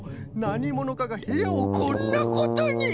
なにものかがへやをこんなことに！